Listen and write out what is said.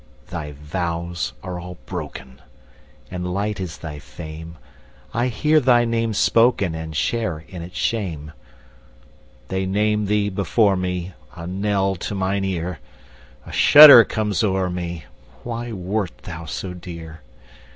Thy vows are all broken, And light is thy fame:I hear thy name spokenAnd share in its shame. They name thee before me,A knell to mine ear;A shudder comes o'er me—Why wert thou so dear?